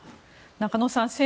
中野さん